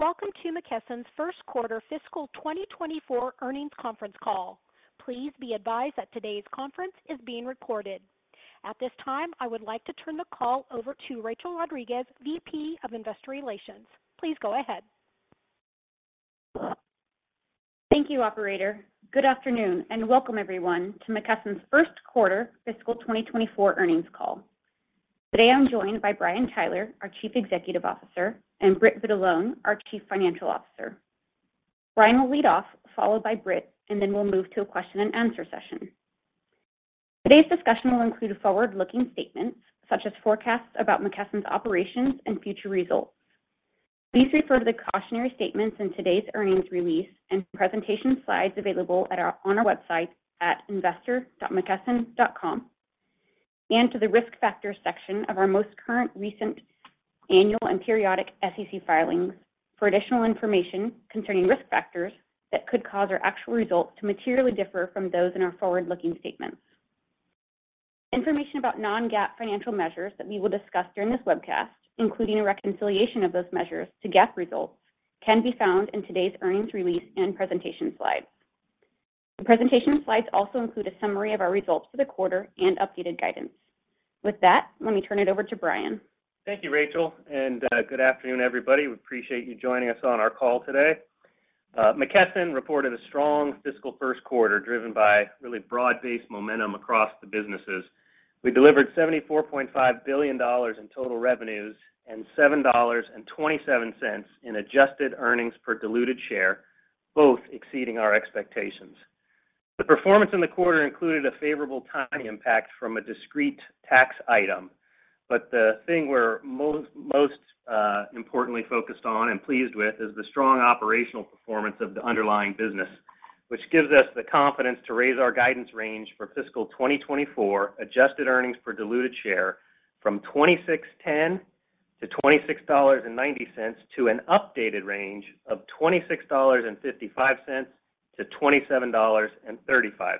Welcome to McKesson's Q1 fiscal 2024 Earnings Conference Call. Please be advised that today's conference is being recorded. At this time, I would like to turn the call over to Rachel Rodriguez, VP of Investor Relations. Please go ahead. Thank you, operator. Good afternoon, and welcome everyone to McKesson's Q1 fiscal 2024 Earnings Call. Today, I'm joined by Brian Tyler, our Chief Executive Officer, and Britt Vitalone, our Chief Financial Officer. Brian will lead off, followed by Britt, and then we'll move to a question and answer session. Today's discussion will include forward-looking statements, such as forecasts about McKesson's operations and future results. Please refer to the cautionary statements in today's earnings release and presentation slides available on our website at investor.mckesson.com, and to the Risk Factors section of our most recent annual and periodic SEC filings for additional information concerning risk factors that could cause our actual results to materially differ from those in our forward-looking statements. Information about non-GAAP financial measures that we will discuss during this webcast, including a reconciliation of those measures to GAAP results, can be found in today's earnings release and presentation slides. The presentation slides also include a summary of our results for the quarter and updated guidance. With that, let me turn it over to Brian. Thank you, Rachel. Good afternoon, everybody. We appreciate you joining us on our call today. McKesson reported a strong fiscal Q1, driven by really broad-based momentum across the businesses. We delivered $74.5 billion in total revenues and $7.27 in adjusted earnings per diluted share, both exceeding our expectations. The performance in the quarter included a favorable timing impact from a discrete tax item, but the thing we're most, most importantly focused on and pleased with is the strong operational performance of the underlying business, which gives us the confidence to raise our guidance range for fiscal 2024 adjusted earnings per diluted share from $26.10-$26.90 to an updated range of $26.55-$27.35.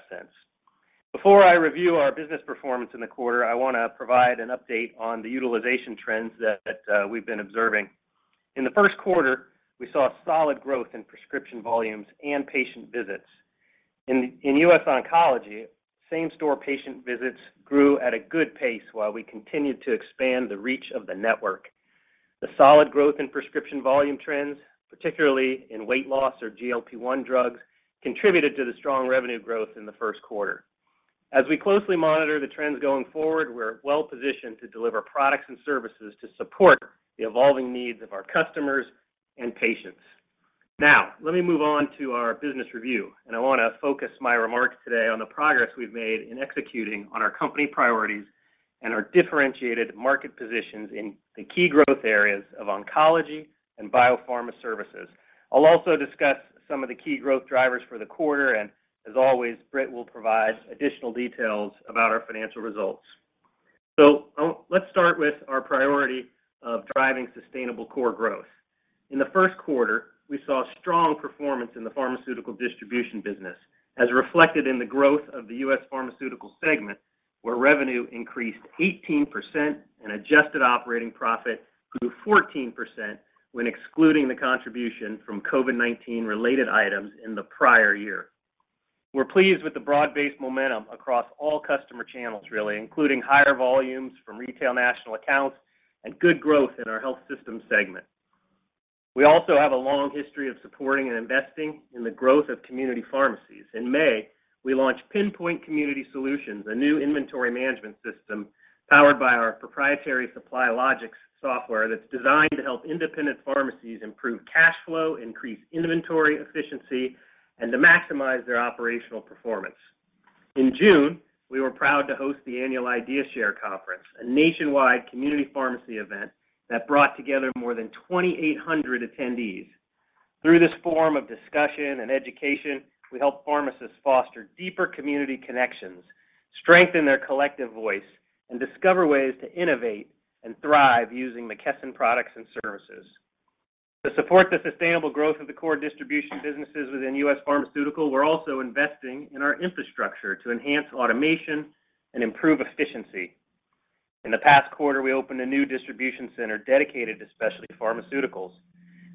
Before I review our business performance in the quarter, I want to provide an update on the utilization trends that we've been observing. In the Q1, we saw solid growth in prescription volumes and patient visits. In US Oncology, same-store patient visits grew at a good pace while we continued to expand the reach of the network. The solid growth in prescription volume trends, particularly in weight loss or GLP-1 drugs, contributed to the strong revenue growth in the Q1. As we closely monitor the trends going forward, we're well positioned to deliver products and services to support the evolving needs of our customers and patients. Now, let me move on to our business review, and I want to focus my remarks today on the progress we've made in executing on our company priorities and our differentiated market positions in the key growth areas of oncology and biopharma services. I'll also discuss some of the key growth drivers for the quarter, and as always, Britt will provide additional details about our financial results. Let's start with our priority of driving sustainable core growth. In the Q1, we saw strong performance in the pharmaceutical distribution business, as reflected in the growth of the U.S. Pharmaceutical segment, where revenue increased 18%, and adjusted operating profit grew 14% when excluding the contribution from COVID-19 related items in the prior year. We're pleased with the broad-based momentum across all customer channels, really, including higher volumes from retail national accounts and good growth in our health system segment. We also have a long history of supporting and investing in the growth of community pharmacies. In May, we launched Pinpoint Community Solutions, a new inventory management system powered by our proprietary SupplyLogix software that's designed to help independent pharmacies improve cash flow, increase inventory efficiency, and to maximize their operational performance. In June, we were proud to host the annual ideaShare Conference, a nationwide community pharmacy event that brought together more than 2,800 attendees. Through this forum of discussion and education, we helped pharmacists foster deeper community connections, strengthen their collective voice, and discover ways to innovate and thrive using McKesson products and services. To support the sustainable growth of the core distribution businesses within U.S. Pharmaceutical, we're also investing in our infrastructure to enhance automation and improve efficiency. In the past quarter, we opened a new distribution center dedicated to specialty pharmaceuticals.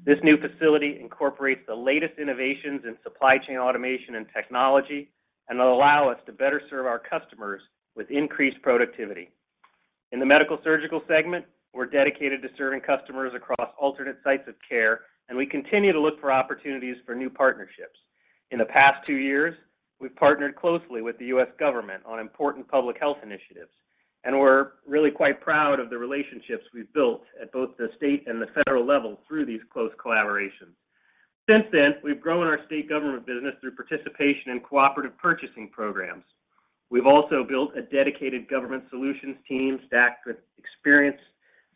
This new facility incorporates the latest innovations in supply chain automation and technology, and it'll allow us to better serve our customers with increased productivity. In the Medical-Surgical segment, we're dedicated to serving customers across alternate sites of care, and we continue to look for opportunities for new partnerships. In the past two years, we've partnered closely with the U.S. government on important public health initiatives, and we're really quite proud of the relationships we've built at both the state and the federal level through these close collaborations. Since then, we've grown our state government business through participation in cooperative purchasing programs. We've also built a dedicated government solutions team stacked with experienced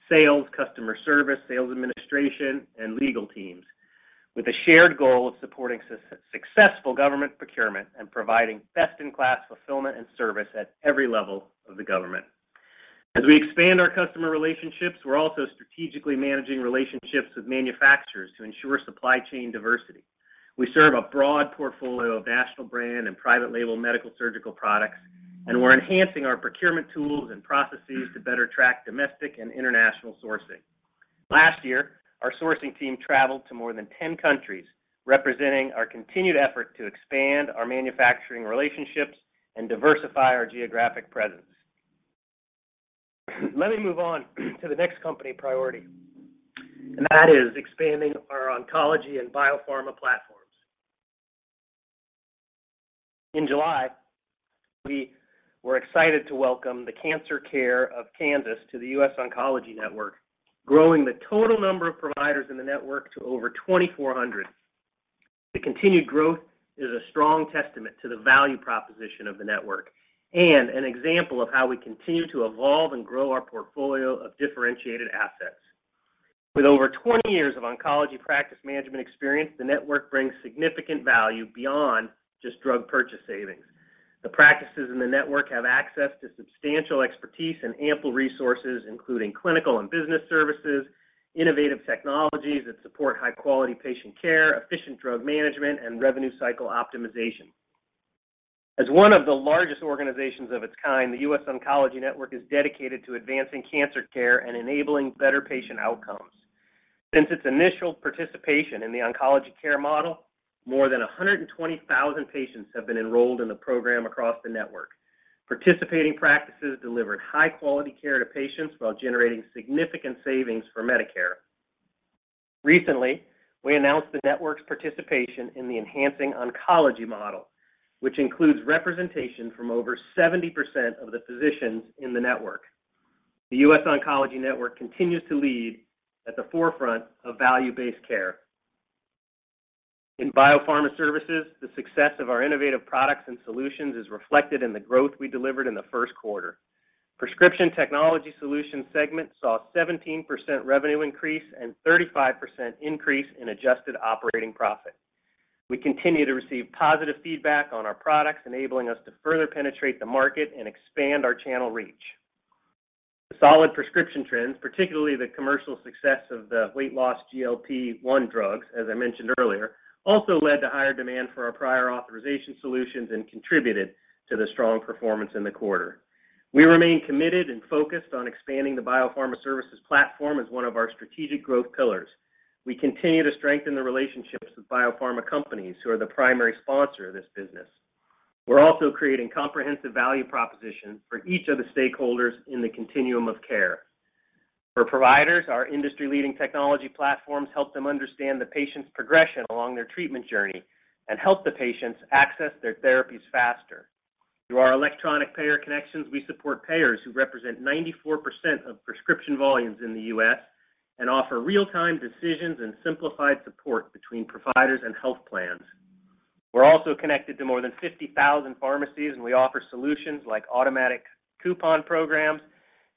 sales, customer service, sales administration, and legal teams, with a shared goal of supporting successful government procurement and providing best-in-class fulfillment and service at every level of the government. As we expand our customer relationships, we're also strategically managing relationships with manufacturers to ensure supply chain diversity. We serve a broad portfolio of national brand and private label medical surgical products, and we're enhancing our procurement tools and processes to better track domestic and international sourcing. Last year, our sourcing team traveled to more than 10 countries, representing our continued effort to expand our manufacturing relationships and diversify our geographic presence. Let me move on to the next company priority, and that is expanding our oncology and biopharma platforms. In July, we were excited to welcome the Cancer Center of Kansas to The US Oncology Network, growing the total number of providers in the network to over 2,400. The continued growth is a strong testament to the value proposition of the network and an example of how we continue to evolve and grow our portfolio of differentiated assets. With over 20 years of oncology practice management experience, the network brings significant value beyond just drug purchase savings. The practices in the network have access to substantial expertise and ample resources, including clinical and business services, innovative technologies that support high-quality patient care, efficient drug management, and revenue cycle optimization. As one of the largest organizations of its kind, The US Oncology Network is dedicated to advancing cancer care and enabling better patient outcomes. Since its initial participation in the Oncology Care Model, more than 120,000 patients have been enrolled in the program across the network. Participating practices delivered high-quality care to patients while generating significant savings for Medicare. Recently, we announced the network's participation in the Enhancing Oncology Model, which includes representation from over 70% of the physicians in the network. The US Oncology Network continues to lead at the forefront of value-based care. In biopharma services, the success of our innovative products and solutions is reflected in the growth we delivered in the Q1. Prescription Technology Solutions segment saw a 17% revenue increase and 35% increase in adjusted operating profit. We continue to receive positive feedback on our products, enabling us to further penetrate the market and expand our channel reach. The solid prescription trends, particularly the commercial success of the weight loss GLP-1 drugs, as I mentioned earlier, also led to higher demand for our prior authorization solutions and contributed to the strong performance in the quarter. We remain committed and focused on expanding the biopharma services platform as one of our strategic growth pillars. We continue to strengthen the relationships with biopharma companies who are the primary sponsor of this business. We're also creating comprehensive value proposition for each of the stakeholders in the continuum of care. For providers, our industry-leading technology platforms help them understand the patient's progression along their treatment journey and help the patients access their therapies faster. Through our electronic payer connections, we support payers who represent 94% of prescription volumes in the U.S. and offer real-time decisions and simplified support between providers and health plans. We're also connected to more than 50,000 pharmacies, and we offer solutions like automatic coupon programs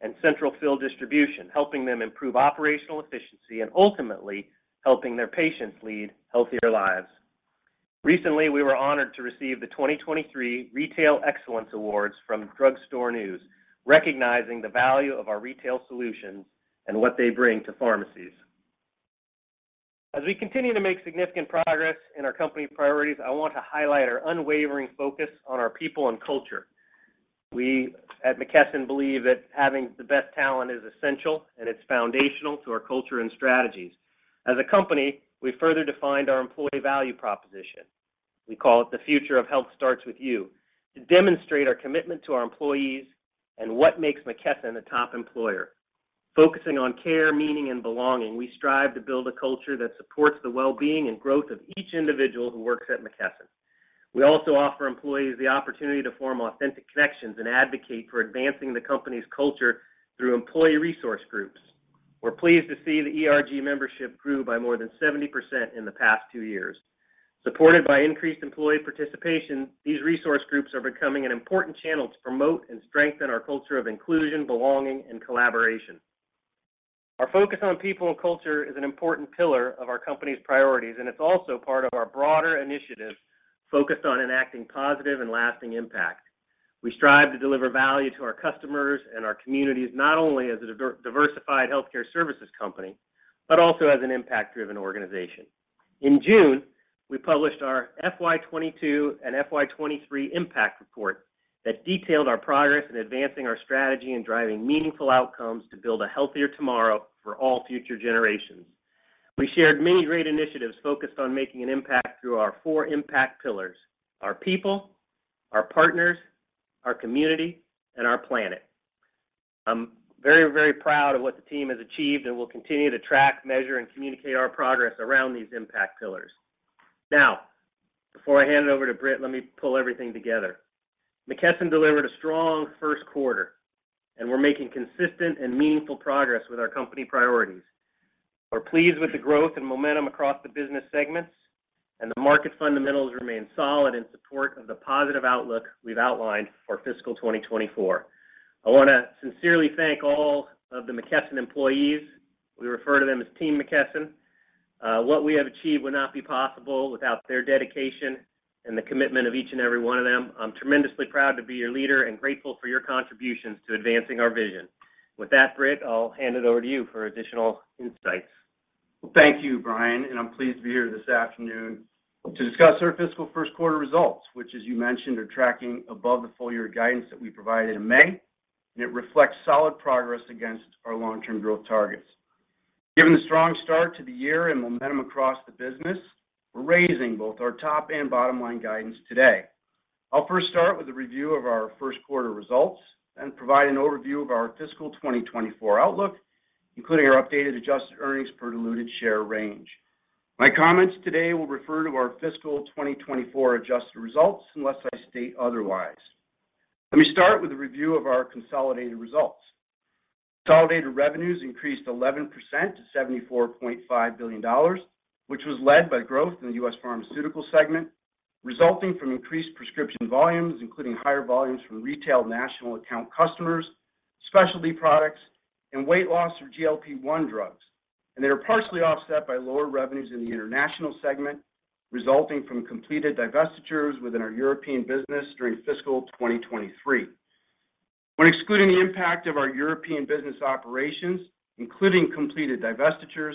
and central fill distribution, helping them improve operational efficiency and ultimately helping their patients lead healthier lives. Recently, we were honored to receive the 2023 Retail Excellence Awards from Drug Store News, recognizing the value of our retail solutions and what they bring to pharmacies. As we continue to make significant progress in our company priorities, I want to highlight our unwavering focus on our people and culture. We at McKesson believe that having the best talent is essential, and it's foundational to our culture and strategies. As a company, we've further defined our employee value proposition. We call it "The Future of Health Starts with You," to demonstrate our commitment to our employees and what makes McKesson a top employer. Focusing on care, meaning, and belonging, we strive to build a culture that supports the well-being and growth of each individual who works at McKesson. We also offer employees the opportunity to form authentic connections and advocate for advancing the company's culture through employee resource groups. We're pleased to see the ERG membership grew by more than 70% in the past two years. Supported by increased employee participation, these resource groups are becoming an important channel to promote and strengthen our culture of inclusion, belonging, and collaboration. Our focus on people and culture is an important pillar of our company's priorities, and it's also part of our broader initiative focused on enacting positive and lasting impact. We strive to deliver value to our customers and our communities, not only as a diversified healthcare services company, but also as an impact-driven organization. In June, we published our FY 2022 and FY 2023 impact report that detailed our progress in advancing our strategy and driving meaningful outcomes to build a healthier tomorrow for all future generations. We shared many great initiatives focused on making an impact through our four impact pillars: our people, our partners, our community, and our planet. I'm very, very proud of what the team has achieved, and we'll continue to track, measure, and communicate our progress around these impact pillars. Now, before I hand it over to Britt, let me pull everything together. McKesson delivered a strong Q1, and we're making consistent and meaningful progress with our company priorities. We're pleased with the growth and momentum across the business segments, and the market fundamentals remain solid in support of the positive outlook we've outlined for fiscal 2024. I want to sincerely thank all of the McKesson employees. We refer to them as Team McKesson. What we have achieved would not be possible without their dedication and the commitment of each and every one of them. I'm tremendously proud to be your leader and grateful for your contributions to advancing our vision.... With that, Britt, I'll hand it over to you for additional insights. Thank you, Brian, and I'm pleased to be here this afternoon to discuss our fiscal Q1 results, which, as you mentioned, are tracking above the full year guidance that we provided in May, and it reflects solid progress against our long-term growth targets. Given the strong start to the year and momentum across the business, we're raising both our top and bottom-line guidance today. I'll first start with a review of our Q1 results and provide an overview of our fiscal 2024 outlook, including our updated adjusted earnings per diluted share range. My comments today will refer to our fiscal 2024 adjusted results, unless I state otherwise. Let me start with a review of our consolidated results. Consolidated revenues increased 11% to $74.5 billion, which was led by growth in the U.S. Pharmaceutical segment, resulting from increased prescription volumes, including higher volumes from retail national account customers, specialty products, and weight loss from GLP-1 drugs. They were partially offset by lower revenues in the international segment, resulting from completed divestitures within our European business during fiscal 2023. When excluding the impact of our European business operations, including completed divestitures,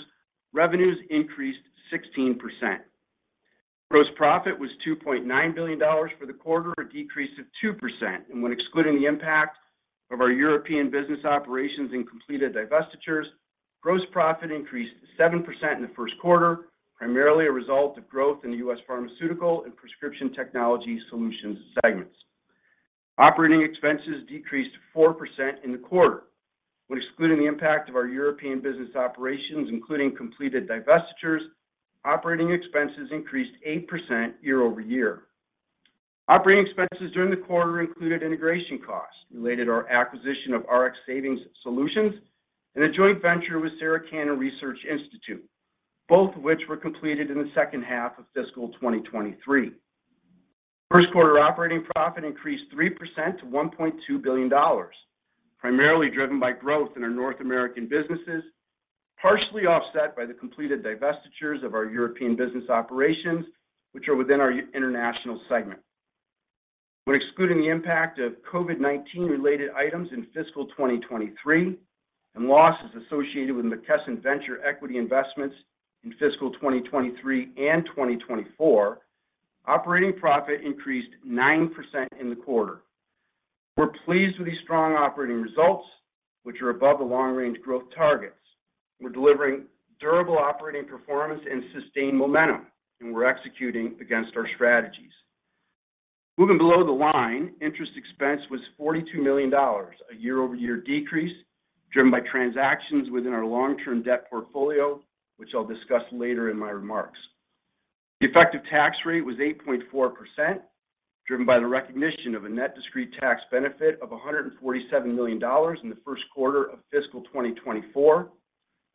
revenues increased 16%. Gross profit was $2.9 billion for the quarter, a decrease of 2%. When excluding the impact of our European business operations and completed divestitures, gross profit increased 7% in the Q1, primarily a result of growth in the U.S. Pharmaceutical and Prescription Technology Solutions segments. Operating expenses decreased 4% in the quarter. When excluding the impact of our European business operations, including completed divestitures, operating expenses increased 8% year-over-year. Operating expenses during the quarter included integration costs related to our acquisition of Rx Savings Solutions and a joint venture with Sarah Cannon Research Institute, both of which were completed in the second half of fiscal 2023. Q1 operating profit increased 3% to $1.2 billion, primarily driven by growth in our North American businesses, partially offset by the completed divestitures of our European business operations, which are within our International segment. When excluding the impact of COVID-19 related items in fiscal 2023, and losses associated with McKesson Venture equity investments in fiscal 2023 and 2024, operating profit increased 9% in the quarter. We're pleased with these strong operating results, which are above the long-range growth targets. We're delivering durable operating performance and sustained momentum, and we're executing against our strategies. Moving below the line, interest expense was $42 million, a year-over-year decrease, driven by transactions within our long-term debt portfolio, which I'll discuss later in my remarks. The effective tax rate was 8.4%, driven by the recognition of a net discrete tax benefit of $147 million in the Q1 of fiscal 2024,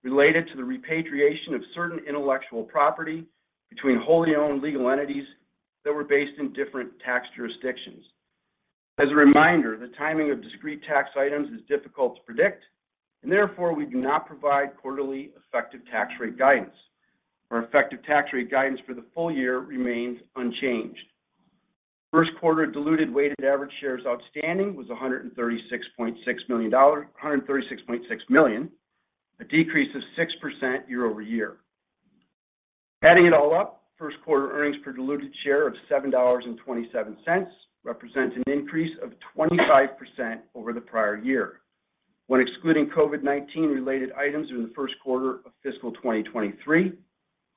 related to the repatriation of certain intellectual property between wholly owned legal entities that were based in different tax jurisdictions. As a reminder, the timing of discrete tax items is difficult to predict, and therefore, we do not provide quarterly effective tax rate guidance. Our effective tax rate guidance for the full year remains unchanged. Q1 diluted weighted average shares outstanding was 136.6 million, a decrease of 6% year-over-year. Adding it all up, Q1 earnings per diluted share of $7.27 represents an increase of 25% over the prior year. When excluding COVID-19 related items in the Q1 of fiscal 2023,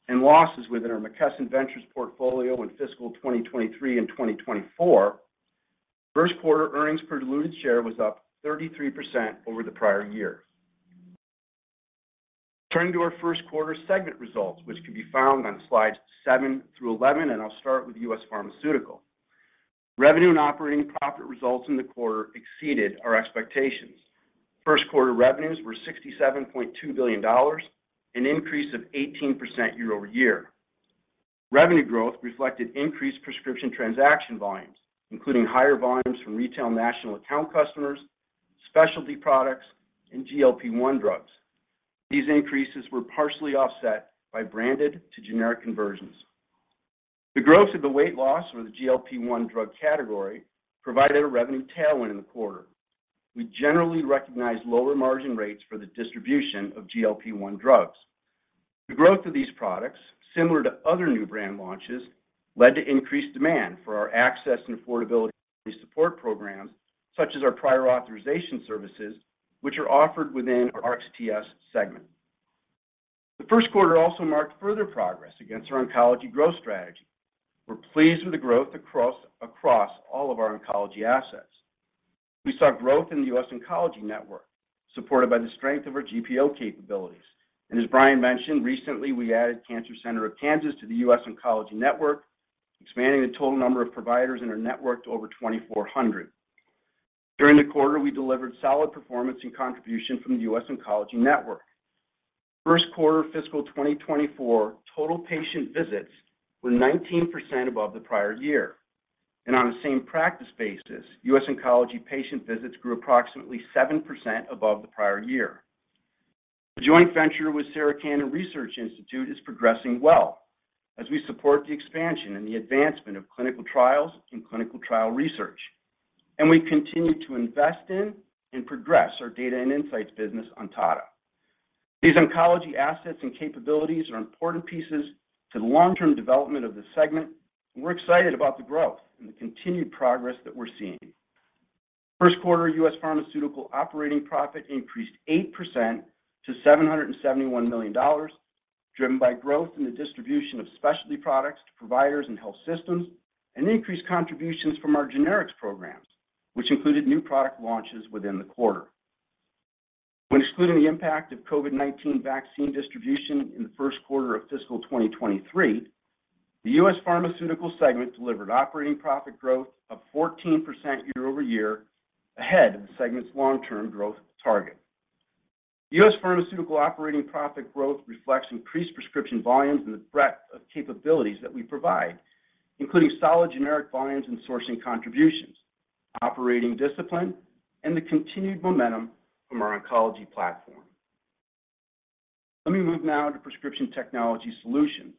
and losses within our McKesson Ventures portfolio in fiscal 2023 and 2024, Q1 earnings per diluted share was up 33% over the prior year. Turning to our Q1 segment results, which can be found on slides 7 through 11, I'll start with U.S. Pharmaceutical. Revenue and operating profit results in the quarter exceeded our expectations. Q1 revenues were $67.2 billion, an increase of 18% year-over-year. Revenue growth reflected increased prescription transaction volumes, including higher volumes from retail national account customers, specialty products, and GLP-1 drugs. These increases were partially offset by branded to generic conversions. The growth of the weight loss or the GLP-1 drug category provided a revenue tailwind in the quarter. We generally recognize lower margin rates for the distribution of GLP-1 drugs. The growth of these products, similar to other new brand launches, led to increased demand for our access and affordability support programs, such as our prior authorization services, which are offered within our RXTS segment. The Q1 also marked further progress against our oncology growth strategy. We're pleased with the growth across all of our oncology assets. We saw growth in the US Oncology Network, supported by the strength of our GPO capabilities. As Brian mentioned, recently, we added Cancer Center of Kansas to The US Oncology Network, expanding the total number of providers in our network to over 2,400. During the quarter, we delivered solid performance and contribution from The US Oncology Network. Q1 fiscal 2024, total patient visits were 19% above the prior year, and on a same practice basis, US Oncology patient visits grew approximately 7% above the prior year. The joint venture with Sarah Cannon Research Institute is progressing well as we support the expansion and the advancement of clinical trials and clinical trial research, and we continue to invest in and progress our data and insights business, Ontada. These oncology assets and capabilities are important pieces to the long-term development of this segment, and we're excited about the growth and the continued progress that we're seeing. 1st quarter U.S. Pharmaceutical operating profit increased 8% to $771 million, driven by growth in the distribution of specialty products to providers and health systems, and increased contributions from our generics programs, which included new product launches within the quarter. When excluding the impact of COVID-19 vaccine distribution in the 1st quarter of fiscal 2023, the U.S. Pharmaceutical segment delivered operating profit growth of 14% year-over-year, ahead of the segment's long-term growth target. U.S. Pharmaceutical operating profit growth reflects increased prescription volumes and the breadth of capabilities that we provide, including solid generic volumes and sourcing contributions, operating discipline, and the continued momentum from our oncology platform. Let me move now to Prescription Technology Solutions.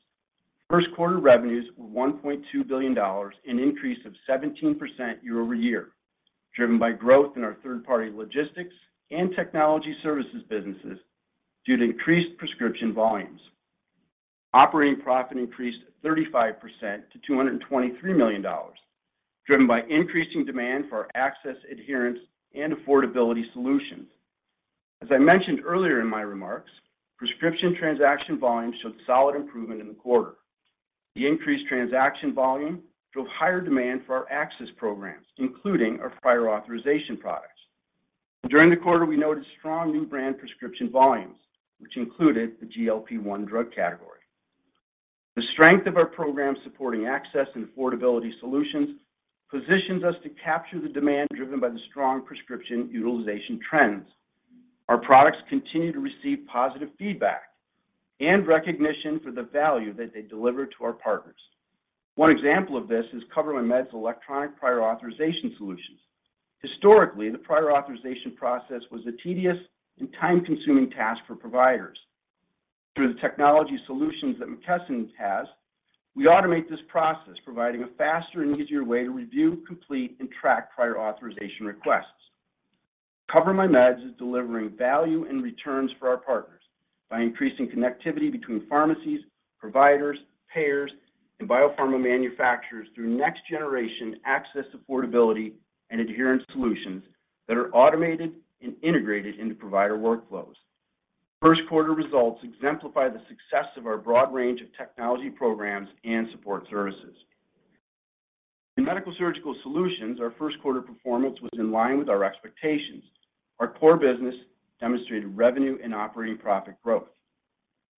Q1 revenues were $1.2 billion, an increase of 17% year-over-year, driven by growth in our third-party logistics and technology services businesses due to increased prescription volumes. Operating profit increased 35% to $223 million, driven by increasing demand for our access, adherence, and affordability solutions. As I mentioned earlier in my remarks, prescription transaction volumes showed solid improvement in the quarter. The increased transaction volume drove higher demand for our access programs, including our prior authorization products. During the quarter, we noted strong new brand prescription volumes, which included the GLP-1 drug category. The strength of our program supporting access and affordability solutions positions us to capture the demand driven by the strong prescription utilization trends. Our products continue to receive positive feedback and recognition for the value that they deliver to our partners. One example of this is CoverMyMeds' electronic prior authorization solutions. Historically, the prior authorization process was a tedious and time-consuming task for providers. Through the technology solutions that McKesson has, we automate this process, providing a faster and easier way to review, complete, and track prior authorization requests. CoverMyMeds is delivering value and returns for our partners by increasing connectivity between pharmacies, providers, payers, and biopharma manufacturers through next generation access, affordability, and adherence solutions that are automated and integrated into provider workflows. Q1 results exemplify the success of our broad range of technology programs and support services. In Medical-Surgical Solutions, our Q1 performance was in line with our expectations. Our core business demonstrated revenue and operating profit growth.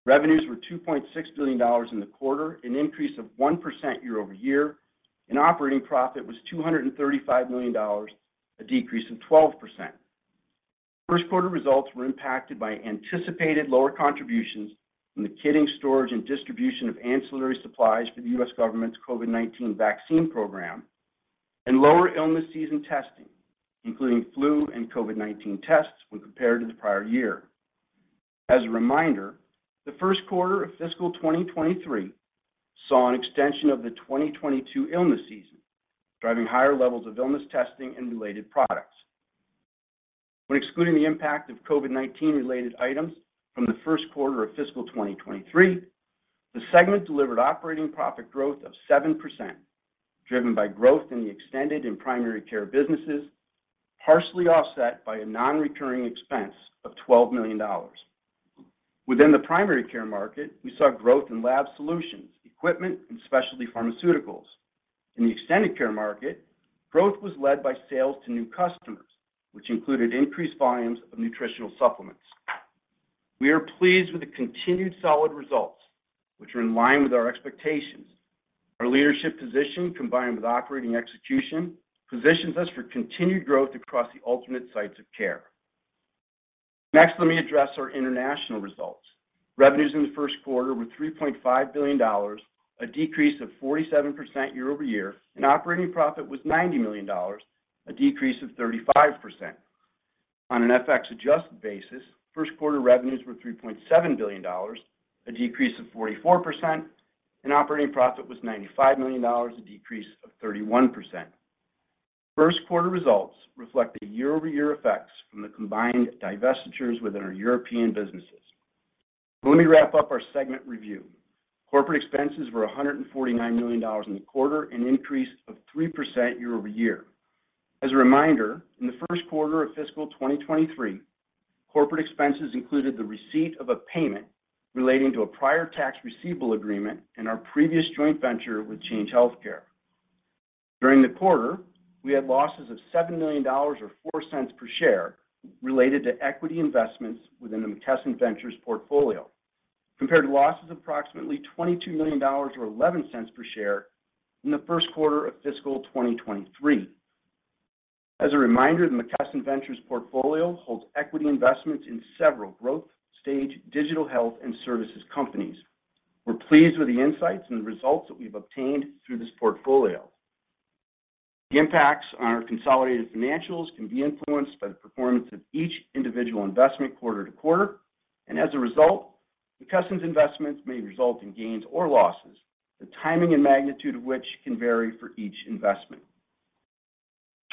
Revenues were $2.6 billion in the quarter, an increase of 1% year-over-year, and operating profit was $235 million, a decrease of 12%. Q1 results were impacted by anticipated lower contributions from the kitting, storage, and distribution of ancillary supplies for the U.S. government's COVID-19 vaccine program and lower illness season testing, including flu and COVID-19 tests, when compared to the prior year. As a reminder, the Q1 of fiscal 2023 saw an extension of the 2022 illness season, driving higher levels of illness testing and related products. When excluding the impact of COVID-19 related items from the Q1 of fiscal 2023, the segment delivered operating profit growth of 7%, driven by growth in the extended and primary care businesses, partially offset by a non-recurring expense of $12 million. Within the primary care market, we saw growth in lab solutions, equipment, and specialty pharmaceuticals. In the extended care market, growth was led by sales to new customers, which included increased volumes of nutritional supplements. We are pleased with the continued solid results, which are in line with our expectations. Our leadership position, combined with operating execution, positions us for continued growth across the ultimate sites of care. Next, let me address our international results. Revenues in the Q1 were $3.5 billion, a decrease of 47% year-over-year, and operating profit was $90 million, a decrease of 35%. On an FX adjusted basis, Q1 revenues were $3.7 billion, a decrease of 44%, and operating profit was $95 million, a decrease of 31%. Q1 results reflect the year-over-year effects from the combined divestitures within our European businesses. Let me wrap up our segment review. Corporate expenses were $149 million in the quarter, an increase of 3% year-over-year. As a reminder, in the Q1 of fiscal 2023, corporate expenses included the receipt of a payment relating to a prior tax receivable agreement in our previous joint venture with Change Healthcare. During the quarter, we had losses of $7 million or $0.04 per share related to equity investments within the McKesson Ventures portfolio, compared to losses of approximately $22 million or $0.11 per share in the Q1 of fiscal 2023. As a reminder, the McKesson Ventures portfolio holds equity investments in several growth stage digital health and services companies. We're pleased with the insights and the results that we've obtained through this portfolio.... The impacts on our consolidated financials can be influenced by the performance of each individual investment quarter to quarter, and as a result, the customer's investments may result in gains or losses, the timing and magnitude of which can vary for each investment.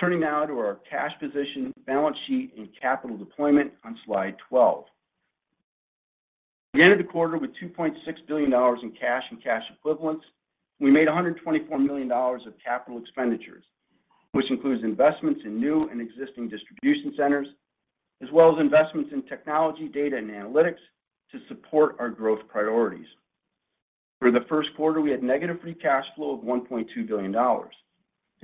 Turning now to our cash position, balance sheet, and capital deployment on Slide 12. We ended the quarter with $2.6 billion in cash and cash equivalents. We made $124 million of capital expenditures, which includes investments in new and existing distribution centers, as well as investments in technology, data, and analytics to support our growth priorities. For the Q1, we had negative free cash flow of $1.2 billion.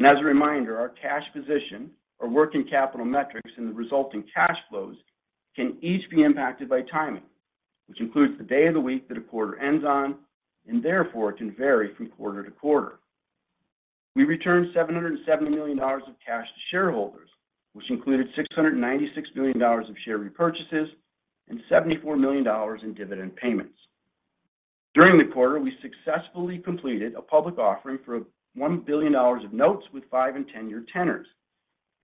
As a reminder, our cash position, our working capital metrics, and the resulting cash flows can each be impacted by timing, which includes the day of the week that a quarter ends on, and therefore, can vary from quarter to quarter. We returned $770 million of cash to shareholders, which included $696 million of share repurchases and $74 million in dividend payments. During the quarter, we successfully completed a public offering for $1 billion of notes with 5- and 10-year tenors.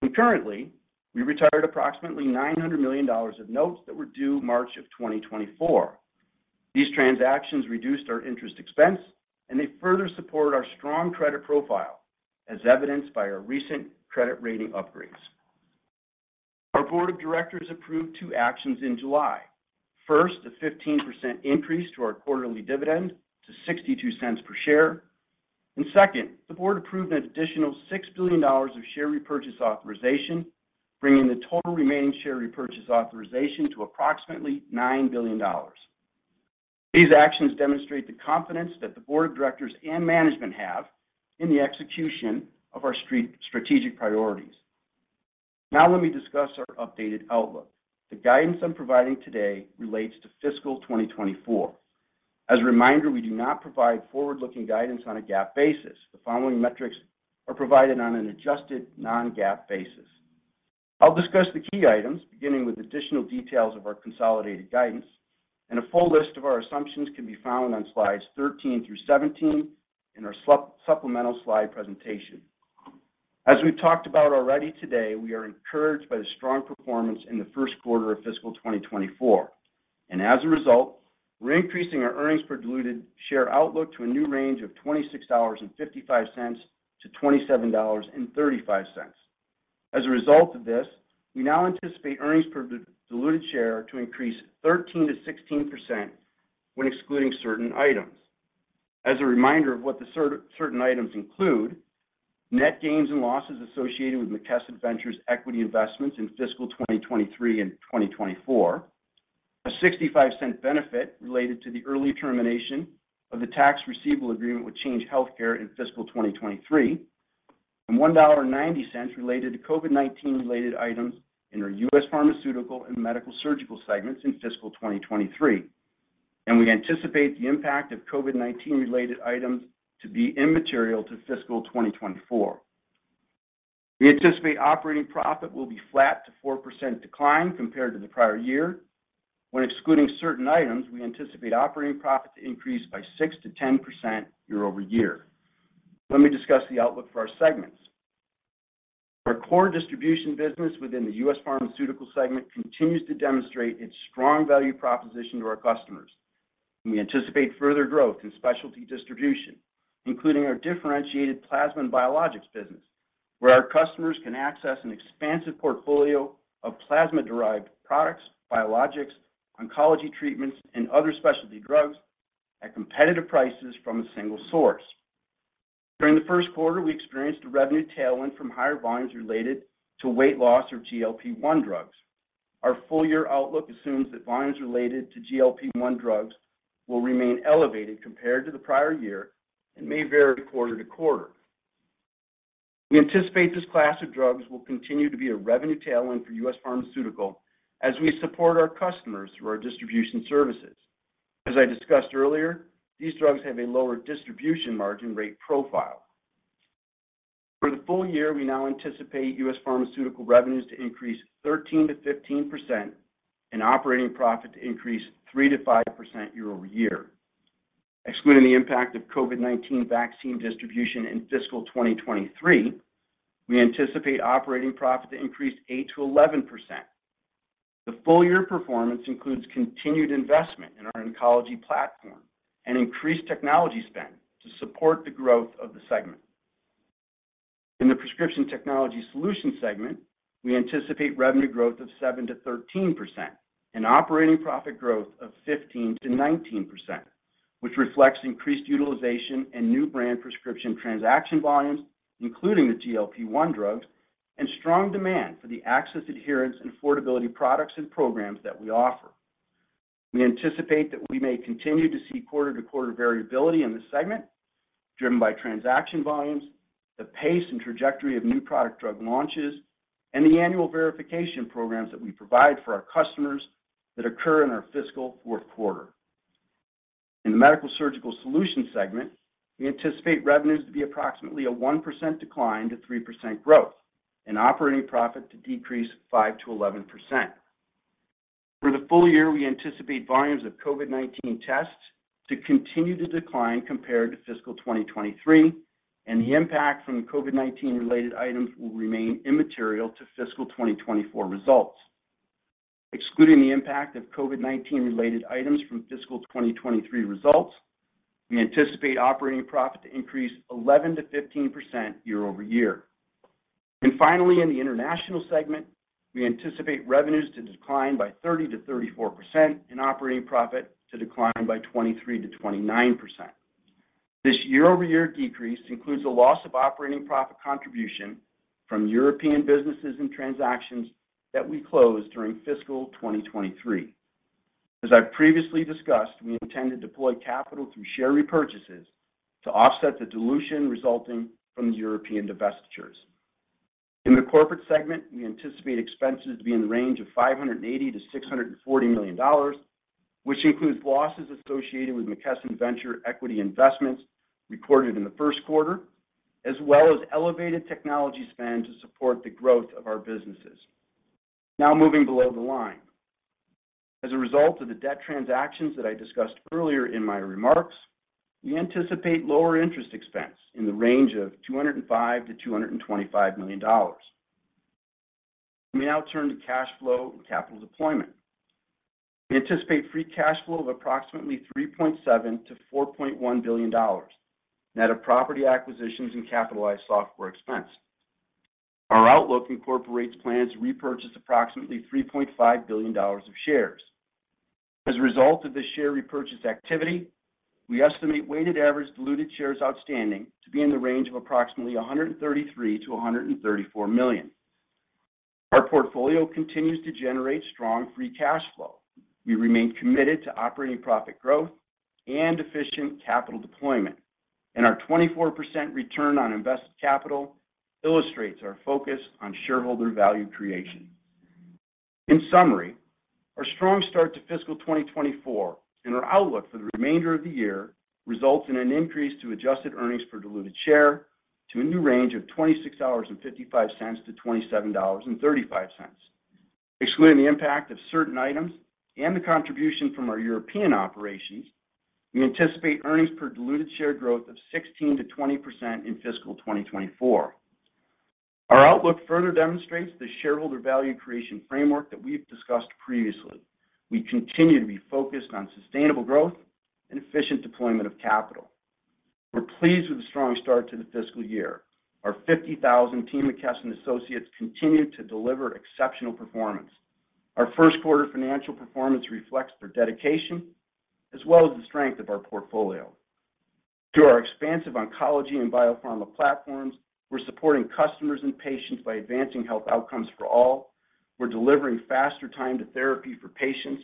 Concurrently, we retired approximately $900 million of notes that were due March 2024. These transactions reduced our interest expense, and they further support our strong credit profile, as evidenced by our recent credit rating upgrades. Our board of directors approved two actions in July. First, a 15% increase to our quarterly dividend to $0.62 per share. Second, the board approved an additional $6 billion of share repurchase authorization, bringing the total remaining share repurchase authorization to approximately $9 billion. These actions demonstrate the confidence that the board of directors and management have in the execution of our strategic priorities. Now let me discuss our updated outlook. The guidance I'm providing today relates to fiscal 2024. As a reminder, we do not provide forward-looking guidance on a GAAP basis. The following metrics are provided on an adjusted, non-GAAP basis. I'll discuss the key items, beginning with additional details of our consolidated guidance, and a full list of our assumptions can be found on Slides 13 through 17 in our supplemental slide presentation. As we've talked about already today, we are encouraged by the strong performance in the Q1 of fiscal 2024. As a result, we're increasing our earnings per diluted share outlook to a new range of $26.55-$27.35. As a result of this, we now anticipate earnings per diluted share to increase 13%-16% when excluding certain items. As a reminder of what the certain items include, net gains and losses associated with McKesson Ventures equity investments in fiscal 2023 and 2024, a $0.65 benefit related to the early termination of the tax receivable agreement with Change Healthcare in fiscal 2023, $1.90 related to COVID-19 related items in our U.S. Pharmaceutical and Medical-Surgical segments in fiscal 2023. We anticipate the impact of COVID-19 related items to be immaterial to fiscal 2024. We anticipate operating profit will be flat to 4% decline compared to the prior year. When excluding certain items, we anticipate operating profit to increase by 6%-10% year-over-year. Let me discuss the outlook for our segments. Our core distribution business within the U.S. Pharmaceutical segment continues to demonstrate its strong value proposition to our customers, and we anticipate further growth in specialty distribution, including our differentiated plasma and biologics business, where our customers can access an expansive portfolio of plasma-derived products, biologics, oncology treatments, and other specialty drugs at competitive prices from a single source. During the Q1, we experienced a revenue tailwind from higher volumes related to weight loss or GLP-1 drugs. Our full-year outlook assumes that volumes related to GLP-1 drugs will remain elevated compared to the prior year and may vary quarter-to-quarter. We anticipate this class of drugs will continue to be a revenue tailwind for U.S. Pharmaceutical as we support our customers through our distribution services. As I discussed earlier, these drugs have a lower distribution margin rate profile. For the full year, we now anticipate U.S. Pharmaceutical revenues to increase 13%-15% and operating profit to increase 3%-5% year-over-year. Excluding the impact of COVID-19 vaccine distribution in fiscal 2023, we anticipate operating profit to increase 8%-11%. The full-year performance includes continued investment in our oncology platform and increased technology spend to support the growth of the segment. In the Prescription Technology Solutions segment, we anticipate revenue growth of 7%-13% and operating profit growth of 15%-19%, which reflects increased utilization and new brand prescription transaction volumes, including the GLP-1 drugs, and strong demand for the access, adherence, and affordability products and programs that we offer. We anticipate that we may continue to see quarter-to-quarter variability in this segment, driven by transaction volumes, the pace and trajectory of new product drug launches, and the annual verification programs that we provide for our customers that occur in our fiscal fourth quarter. In the Medical-Surgical Solutions segment, we anticipate revenues to be approximately a 1% decline to 3% growth and operating profit to decrease 5%-11%. the full year, we anticipate volumes of COVID-19 tests to continue to decline compared to fiscal 2023, and the impact from the COVID-19 related items will remain immaterial to fiscal 2024 results. Excluding the impact of COVID-19 related items from fiscal 2023 results, we anticipate operating profit to increase 11%-15% year-over-year. Finally, in the international segment, we anticipate revenues to decline by 30%-34% and operating profit to decline by 23%-29%. This year-over-year decrease includes a loss of operating profit contribution from European businesses and transactions that we closed during fiscal 2023. As I've previously discussed, we intend to deploy capital through share repurchases to offset the dilution resulting from the European divestitures. In the corporate segment, we anticipate expenses to be in the range of $580 million-$640 million, which includes losses associated with McKesson Ventures equity investments recorded in the Q1, as well as elevated technology spend to support the growth of our businesses. Moving below the line. As a result of the debt transactions that I discussed earlier in my remarks, we anticipate lower interest expense in the range of $205 million-$225 million. Let me now turn to cash flow and capital deployment. We anticipate free cash flow of approximately $3.7 billion-$4.1 billion, net of property acquisitions and capitalized software expense. Our outlook incorporates plans to repurchase approximately $3.5 billion of shares. As a result of this share repurchase activity, we estimate weighted average diluted shares outstanding to be in the range of approximately 133 million-134 million. Our portfolio continues to generate strong free cash flow. We remain committed to operating profit growth and efficient capital deployment, our 24% return on invested capital illustrates our focus on shareholder value creation. In summary, our strong start to fiscal 2024 and our outlook for the remainder of the year results in an increase to adjusted earnings per diluted share to a new range of $26.55-$27.35. Excluding the impact of certain items and the contribution from our European operations, we anticipate earnings per diluted share growth of 16%-20% in fiscal 2024. Our outlook further demonstrates the shareholder value creation framework that we've discussed previously. We continue to be focused on sustainable growth and efficient deployment of capital. We're pleased with the strong start to the fiscal year. Our 50,000 Team McKesson associates continue to deliver exceptional performance. Our Q1 financial performance reflects their dedication, as well as the strength of our portfolio. Through our expansive oncology and biopharma platforms, we're supporting customers and patients by advancing health outcomes for all. We're delivering faster time to therapy for patients,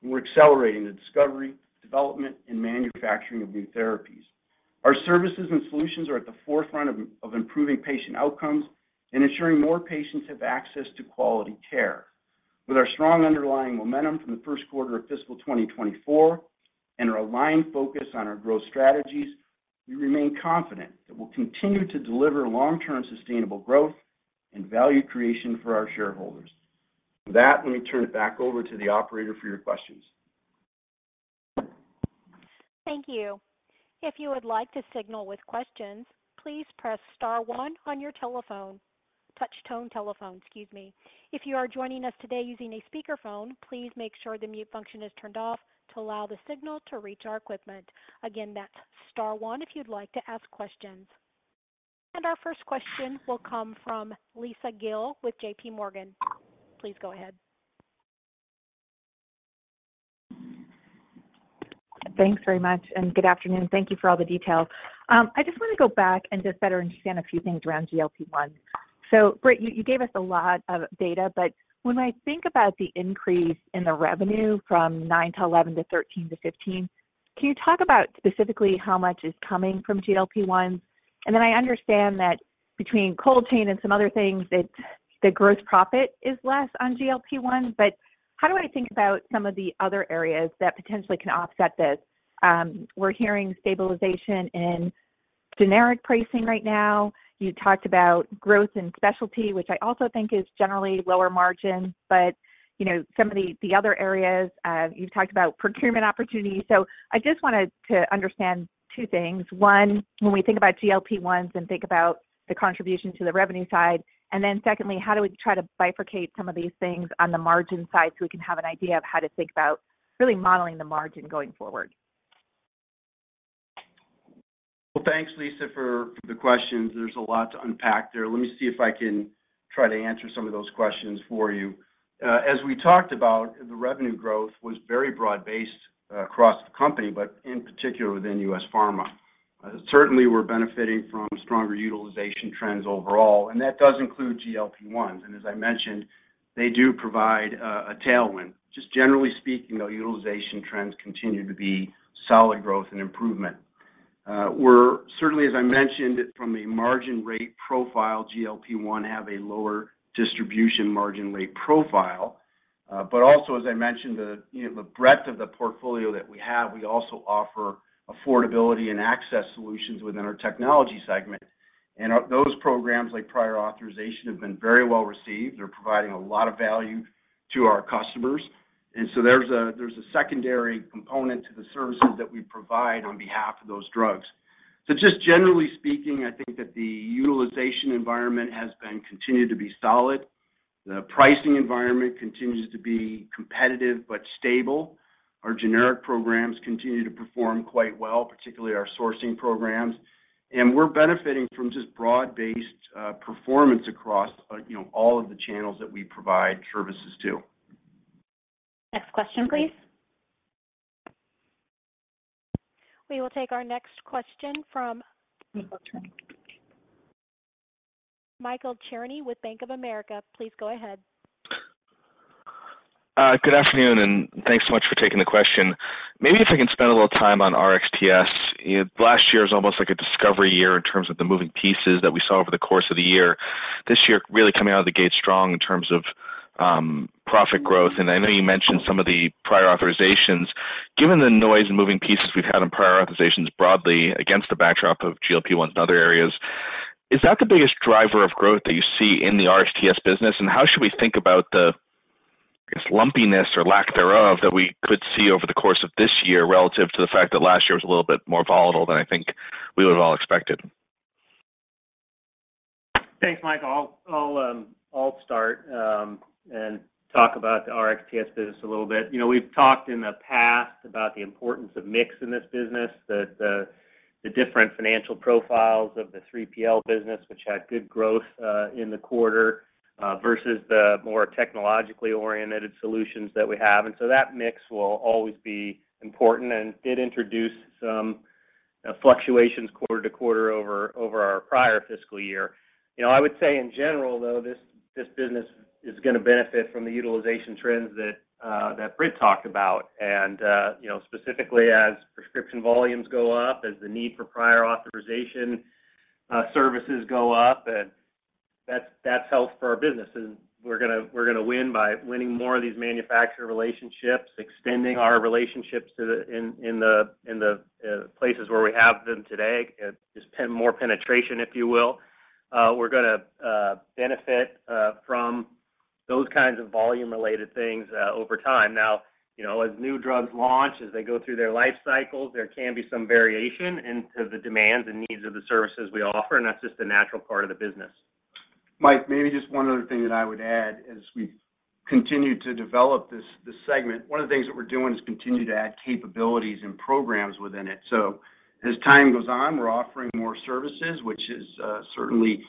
and we're accelerating the discovery, development, and manufacturing of new therapies. Our services and solutions are at the forefront of improving patient outcomes and ensuring more patients have access to quality care. With our strong underlying momentum from the Q1 of fiscal 2024 and our aligned focus on our growth strategies, we remain confident that we'll continue to deliver long-term successful growth and value creation for our shareholders. With that, let me turn it back over to the operator for your questions. Thank you. If you would like to signal with questions, please press star one on your telephone, touch-tone telephone, excuse me. If you are joining us today using a speakerphone, please make sure the mute function is turned off to allow the signal to reach our equipment. Again, that's star one if you'd like to ask questions. Our first question will come from Lisa Gill with J.P. Morgan. Please go ahead. Thanks very much. Good afternoon. Thank you for all the detail. I just want to go back and just better understand a few things around GLP-1. Britt, you, you gave us a lot of data, but when I think about the increase in the revenue from 9 to 11 to 13 to 15, can you talk about specifically how much is coming from GLP-1? Then I understand that between cold chain and some other things, that the gross profit is less on GLP-1, but how do I think about some of the other areas that potentially can offset this? We're hearing stabilization in generic pricing right now. You talked about growth in specialty, which I also think is generally lower margin, but, you know, some of the, the other areas, you've talked about procurement opportunities. I just wanted to understand 2 things. One, when we think about GLP-1s and think about the contribution to the revenue side, and then secondly, how do we try to bifurcate some of these things on the margin side, so we can have an idea of how to think about really modeling the margin going forward? Well, thanks, Lisa, for the questions. There's a lot to unpack there. Let me see if I can try to answer some of those questions for you. As we talked about, the revenue growth was very broad-based across the company, but in particular, within U.S. Pharmaceutical. Certainly, we're benefiting from stronger utilization trends overall, and that does include GLP-1. As I mentioned, they do provide a tailwind. Just generally speaking, though, utilization trends continue to be solid growth and improvement. We're certainly, as I mentioned, from a margin rate profile, GLP-1 have a lower distribution margin rate profile. Also, as I mentioned, the, you know, the breadth of the portfolio that we have, we also offer affordability and access solutions within our technology segment. Those programs, like prior authorization, have been very well received. They're providing a lot of value to our customers, and so there's a secondary component to the services that we provide on behalf of those drugs. Just generally speaking, I think that the utilization environment has been continued to be solid. The pricing environment continues to be competitive but stable. Our generic programs continue to perform quite well, particularly our sourcing programs. We're benefiting from just broad-based performance across, you know, all of the channels that we provide services to. Next question, please. We will take our next question from Michael Cherny. Michael Cherny with Bank of America. Please go ahead. Good afternoon, and thanks so much for taking the question. Maybe if I can spend a little time on RXTS. You know, last year was almost like a discovery year in terms of the moving pieces that we saw over the course of the year. This year, really coming out of the gate strong in terms of profit growth, and I know you mentioned some of the prior authorizations. Given the noise and moving pieces we've had in prior authorizations broadly against the backdrop of GLP-1 and other areas, is that the biggest driver of growth that you see in the RXTS business? How should we think about the, I guess, lumpiness or lack thereof, that we could see over the course of this year relative to the fact that last year was a little bit more volatile than I think we would have all expected? Thanks, Michael. I'll, I'll, I'll start and talk about the RXTS business a little bit. You know, we've talked in the past about the importance of mix in this business, the, the, the different financial profiles of the 3PL business, which had good growth in the quarter versus the more technologically oriented solutions that we have. That mix will always be important and did introduce some fluctuations quarter to quarter over, over our prior fiscal year. You know, I would say in general, though, this, this business is gonna benefit from the utilization trends that that Britt talked about. You know, specifically as prescription volumes go up, as the need for prior authorization services go up, and that's, that's health for our business. We're gonna win by winning more of these manufacturer relationships, extending our relationships to the places where we have them today, and just more penetration, if you will. We're gonna benefit from those kinds of volume-related things over time. You know, as new drugs launch, as they go through their life cycles, there can be some variation to the demands and needs of the services we offer, and that's just a natural part of the business. Mike, maybe just one other thing that I would add. As we continue to develop this, this segment, one of the things that we're doing is continue to add capabilities and programs within it. As time goes on, we're offering more services, which is certainly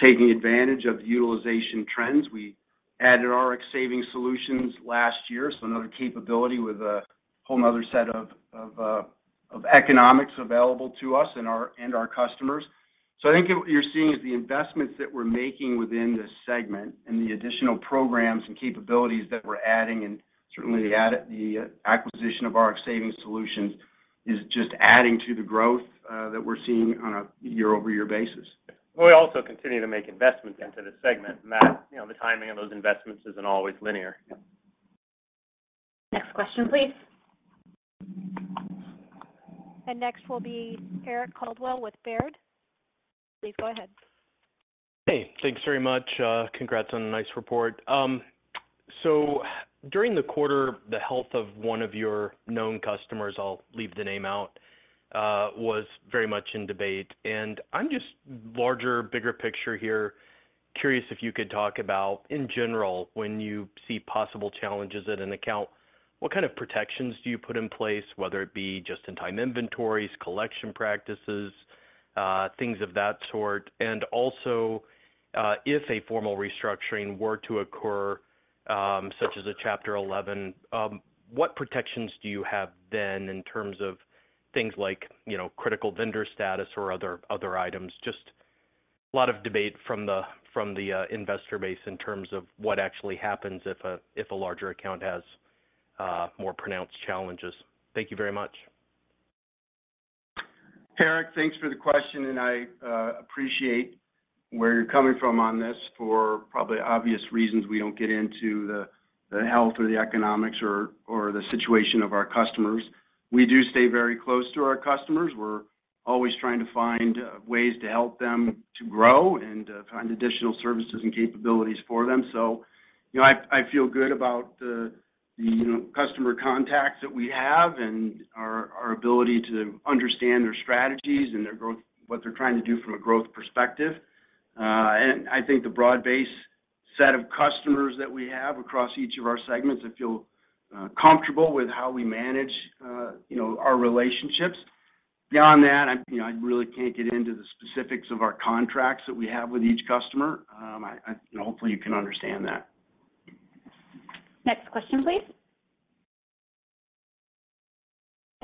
taking advantage of the utilization trends. We added Rx Savings Solutions last year, so another capability with a whole other set of, of economics available to us and our, and our customers. I think what you're seeing is the investments that we're making within this segment and the additional programs and capabilities that we're adding, and certainly the acquisition of Rx Savings Solutions is just adding to the growth that we're seeing on a year-over-year basis. We also continue to make investments into this segment, and that, you know, the timing of those investments isn't always linear. Next question, please. Next will be Eric Coldwell with Baird. Please go ahead. Hey, thanks very much. Congrats on a nice report. During the quarter, the health of one of your known customers, I'll leave the name out, was very much in debate, and I'm just larger, bigger picture here, curious if you could talk about, in general, when you see possible challenges at an account, what kind of protections do you put in place, whether it be just-in-time inventories, collection practices, things of that sort? Also, if a formal restructuring were to occur, such as a Chapter 11, what protections do you have then in terms of things like, you know, critical vendor status or other, other items? Just a lot of debate from the, from the investor base in terms of what actually happens if a, if a larger account has more pronounced challenges. Thank you very much. Eric, thanks for the question, and I appreciate where you're coming from on this. For probably obvious reasons, we don't get into the, the health or the economics or, or the situation of our customers. We do stay very close to our customers. We're always trying to find ways to help them to grow and find additional services and capabilities for them. You know, I, I feel good about the, the, you know, customer contacts that we have and our, our ability to understand their strategies and their growth, what they're trying to do from a growth perspective. I think the broad-based set of customers that we have across each of our segments, I feel comfortable with how we manage, you know, our relationships. Beyond that, I, you know, I really can't get into the specifics of our contracts that we have with each customer. I, I... Hopefully, you can understand that. Next question, please.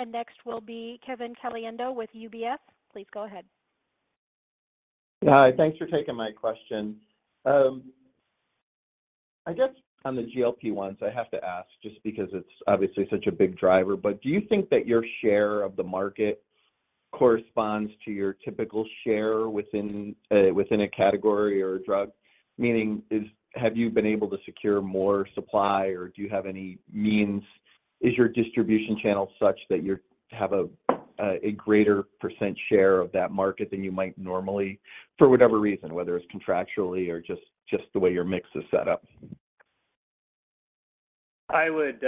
Next will be Kevin Caliendo with UBS. Please go ahead. Hi, thanks for taking my question. I guess on the GLP-1s, I have to ask, just because it's obviously such a big driver, but do you think that your share of the market corresponds to your typical share within, within a category or a drug? Meaning, have you been able to secure more supply, or do you have any means is your distribution channel such that you have a, a greater % share of that market than you might normally, for whatever reason, whether it's contractually or just, just the way your mix is set up? I would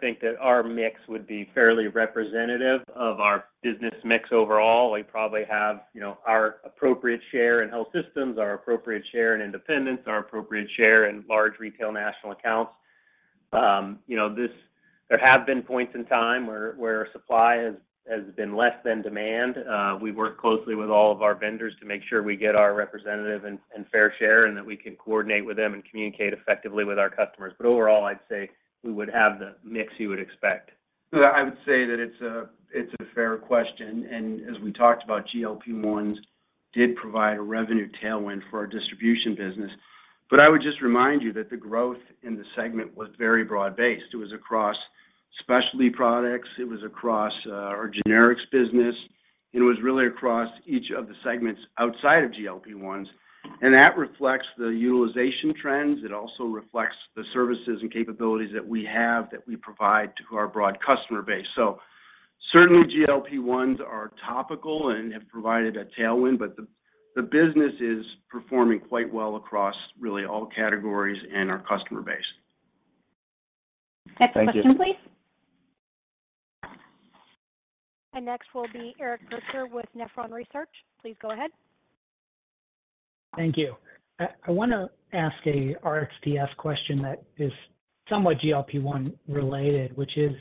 think that our mix would be fairly representative of our business mix overall. We probably have, you know, our appropriate share in health systems, our appropriate share in independents, our appropriate share in large retail national accounts. You know, there have been points in time where supply has been less than demand. We work closely with all of our vendors to make sure we get our representative and fair share, and that we can coordinate with them and communicate effectively with our customers. Overall, I'd say we would have the mix you would expect. Yeah, I would say that it's a fair question. As we talked about, GLP-1s did provide a revenue tailwind for our distribution business. I would just remind you that the growth in the segment was very broad-based. It was across specialty products, it was across our generics business, and it was really across each of the segments outside of GLP-1s, and that reflects the utilization trends. It also reflects the services and capabilities that we have, that we provide to our broad customer base. Certainly, GLP-1s are topical and have provided a tailwind, but the business is performing quite well across really all categories and our customer base. Thank you. Next question, please. Next will be Eric Percher with Nephron Research. Please go ahead. Thank you. I wanna ask a RxTS question that is somewhat GLP-1 related, which is: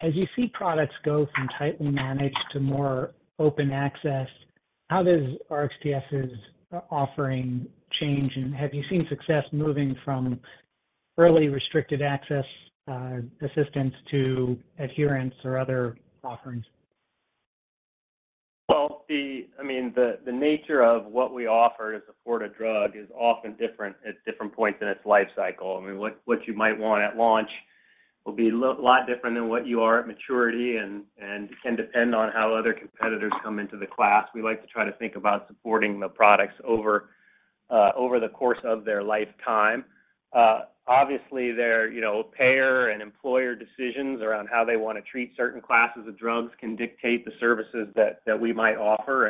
as you see products go from tightly managed to more open access, how does RxTS's offering change? Have you seen success moving from early restricted access, assistance to adherence or other offerings? Well, the... I mean, the, the nature of what we offer to support a drug is often different at different points in its life cycle. I mean, what, what you might want at launch will be a lot different than what you are at maturity and, and can depend on how other competitors come into the class. We like to try to think about supporting the products over over the course of their lifetime. Obviously, you know, payer and employer decisions around how they want to treat certain classes of drugs can dictate the services that, that we might offer.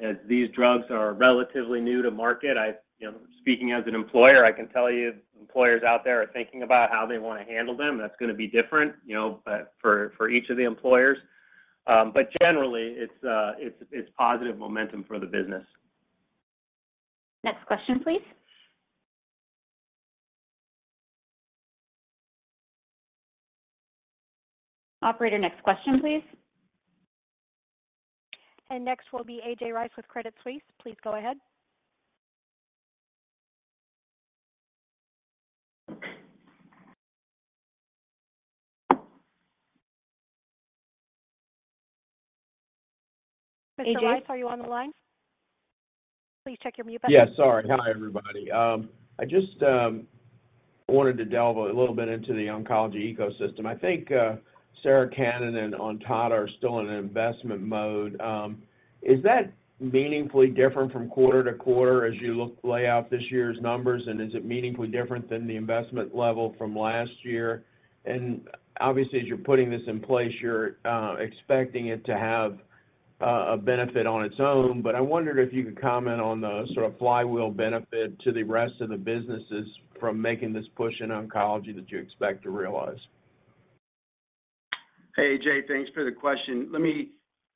As these drugs are relatively new to market, I, you know, speaking as an employer, I can tell you employers out there are thinking about how they want to handle them, and that's gonna be different, you know, for, for each of the employers. Generally, it's, it's positive momentum for the business. Next question, please. Operator, next question, please. Next will be AJ Rice with Credit Suisse. Please go ahead. AJ Rice, are you on the line? Please check your mute button. Yeah, sorry. Hi, everybody. I just wanted to delve a little bit into the oncology ecosystem. I think Sarah Cannon and Ontada are still in an investment mode. Is that meaningfully different from quarter to quarter as you lay out this year's numbers? Is it meaningfully different than the investment level from last year? Obviously, as you're putting this in place, you're expecting it to have a benefit on its own, but I wondered if you could comment on the sort of flywheel benefit to the rest of the businesses from making this push in oncology that you expect to realize. Hey, AJ, thanks for the question. Let me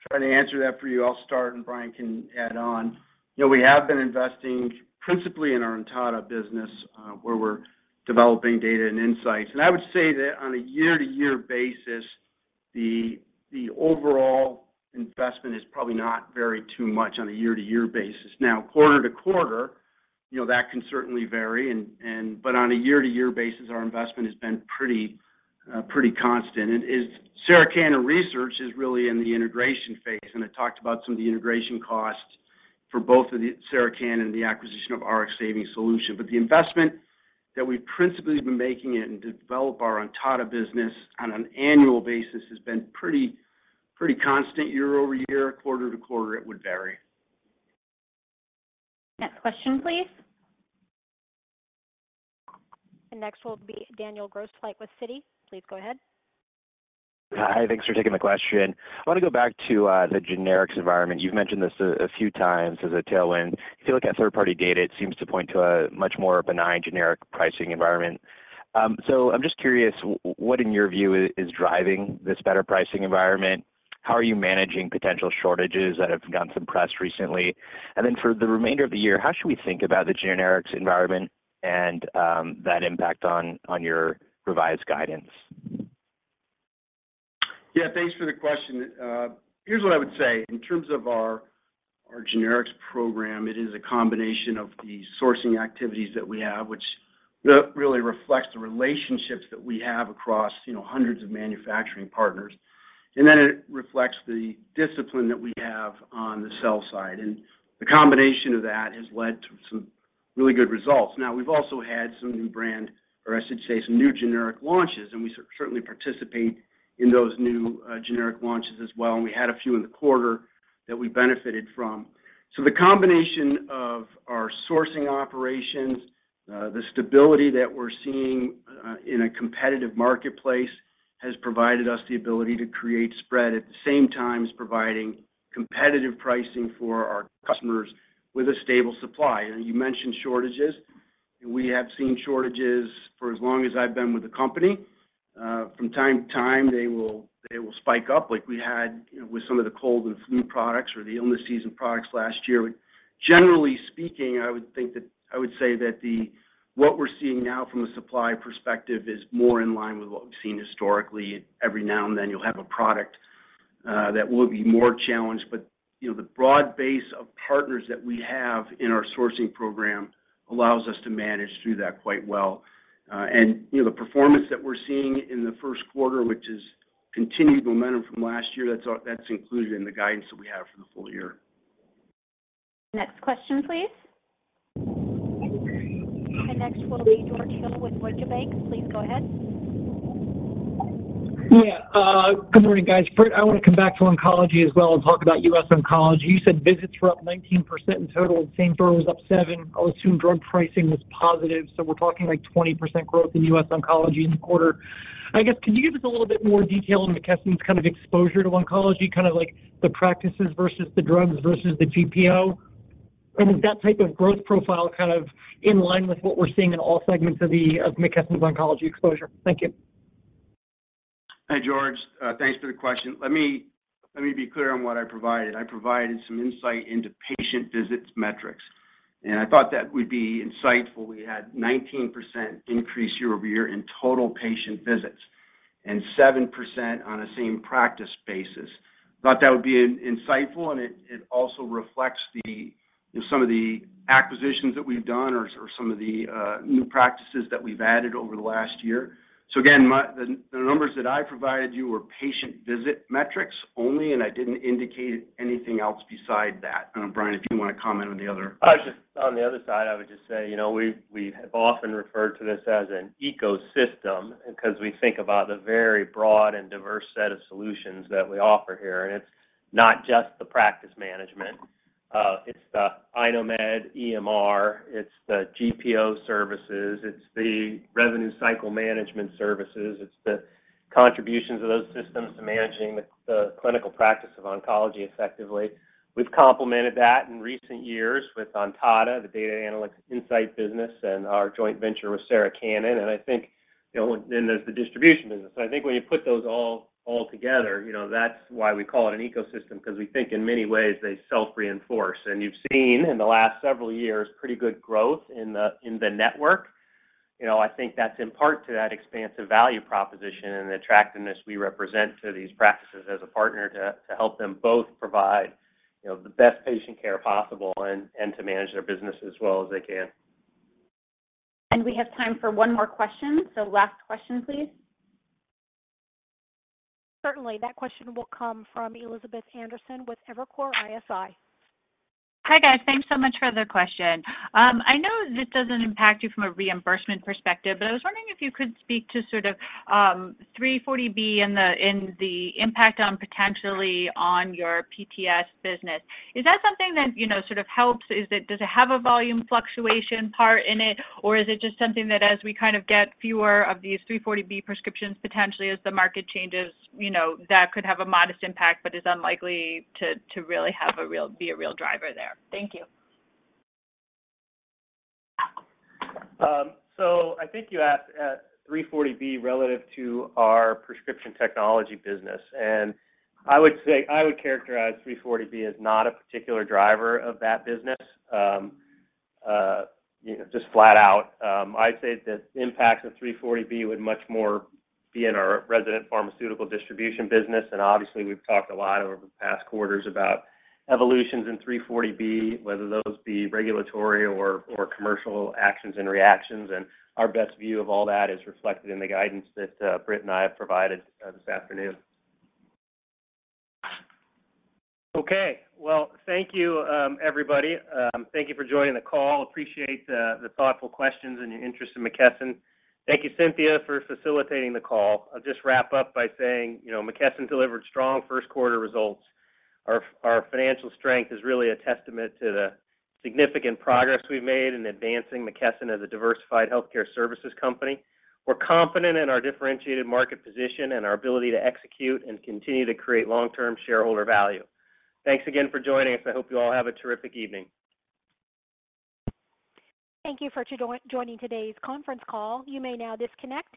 try to answer that for you. I'll start, Brian can add on. You know, we have been investing principally in our Ontada business, where we're developing data and insights. I would say that on a year-to-year basis, the, the overall investment is probably not varied too much on a year-to-year basis. Now, quarter-to-quarter, you know, that can certainly vary, but on a year-to-year basis, our investment has been pretty, pretty constant. Sarah Cannon Research is really in the integration phase, I talked about some of the integration costs for both the Sarah Cannon and the acquisition of Rx Savings Solutions. The investment that we've principally been making in to develop our Ontada business on an annual basis has been pretty, pretty constant year-over-year. Quarter-to-quarter, it would vary. Next question, please. Next will be Daniel Grosslight with Citigroup. Please go ahead. Hi, thanks for taking the question. I want to go back to the generics environment. You've mentioned this a few times as a tailwind. If you look at third-party data, it seems to point to a much more benign generic pricing environment. So I'm just curious, what, in your view, is, is driving this better pricing environment? How are you managing potential shortages that have gotten some press recently? And then for the remainder of the year, how should we think about the generics environment and that impact on, on your revised guidance? Yeah, thanks for the question. Here's what I would say. In terms of our, our generics program, it is a combination of the sourcing activities that we have, which, really reflects the relationships that we have across, you know, hundreds of manufacturing partners. It reflects the discipline that we have on the sell side, and the combination of that has led to some really good results. Now, we've also had some new brand, or I should say, some new generic launches, and we certainly participate in those new, generic launches as well, and we had a few in the quarter that we benefited from. The combination of our sourcing operations, the stability that we're seeing in a competitive marketplace, has provided us the ability to create spread at the same time as providing competitive pricing for our customers with a stable supply. You mentioned shortages, and we have seen shortages for as long as I've been with the company. From time to time, they will, they will spike up like we had with some of the cold and flu products or the illness season products last year. Generally speaking, I would think that I would say that what we're seeing now from a supply perspective is more in line with what we've seen historically. Every now and then, you'll have a product that will be more challenged. You know, the broad base of partners that we have in our sourcing program allows us to manage through that quite well. You know, the performance that we're seeing in the Q1, which is continued momentum from last year, that's included in the guidance that we have for the full year. Next question, please. Next will be George Hill with Deutsche Bank. Please go ahead. Yeah. Good morning, guys. Britt, I want to come back to oncology as well and talk about US Oncology. You said visits were up 19% in total, and same store was up 7. I'll assume drug pricing was positive, so we're talking, like, 20% growth in US Oncology in the quarter. I guess, can you give us a little bit more detail on McKesson's kind of exposure to oncology, kind of like the practices versus the drugs versus the GPO? Is that type of growth profile kind of in line with what we're seeing in all segments of the, of McKesson's oncology exposure? Thank you. Hi, George. Thanks for the question. Let me, let me be clear on what I provided. I provided some insight into patient visits metrics, and I thought that would be insightful. We had 19% increase year-over-year in total patient visits and 7% on a same practice basis. Thought that would be insightful, and it, it also reflects the, you know, some of the acquisitions that we've done or, or some of the new practices that we've added over the last year. Again, the numbers that I provided you were patient visit metrics only, and I didn't indicate anything else besides that. Brian, if you want to comment on the other- I just... On the other side, I would just say, you know, we've, we have often referred to this as an ecosystem because we think about the very broad and diverse set of solutions that we offer here. It's not just the practice management, it's the iKnowMed EMR, it's the GPO services, it's the revenue cycle management services, it's the contributions of those systems to managing the, the clinical practice of oncology effectively. We've complemented that in recent years with Ontada, the data analytics insight business, and our joint venture with Sarah Cannon, and I think, you know, and then there's the distribution business. I think when you put those all together, you know, that's why we call it an ecosystem, 'cause we think in many ways they self-reinforce. You've seen in the last several years, pretty good growth in the, in the network. You know, I think that's in part to that expansive value proposition and the attractiveness we represent to these practices as a partner to help them both provide, you know, the best patient care possible and to manage their business as well as they can. We have time for one more question. Last question, please. Certainly. That question will come from Elizabeth Anderson with Evercore ISI. Hi, guys. Thanks so much for the question. I know this doesn't impact you from a reimbursement perspective, but I was wondering if you could speak to sort of, 340B and the, and the impact on potentially on your PTS business. Is that something that, you know, sort of helps? Does it have a volume fluctuation part in it, or is it just something that as we kind of get fewer of these 340B prescriptions, potentially as the market changes, you know, that could have a modest impact, but is unlikely to, to really be a real driver there? Thank you. I think you asked 340B relative to our Prescription Technology business, and I would say I would characterize 340B as not a particular driver of that business. You know, just flat out. I'd say the impacts of 340B would much more be in our U.S. Pharmaceutical distribution business, and obviously, we've talked a lot over the past quarters about evolutions in 340B, whether those be regulatory or, or commercial actions and reactions. Our best view of all that is reflected in the guidance that Britt and I have provided this afternoon. Okay. Well, thank you, everybody. Thank you for joining the call. Appreciate the thoughtful questions and your interest in McKesson. Thank you, Cynthia, for facilitating the call. I'll just wrap up by saying, you know, McKesson delivered strong first-quarter results. Our financial strength is really a testament to the significant progress we've made in advancing McKesson as a diversified healthcare services company. We're confident in our differentiated market position and our ability to execute and continue to create long-term shareholder value. Thanks again for joining us. I hope you all have a terrific evening. Thank you for joining today's conference call. You may now disconnect.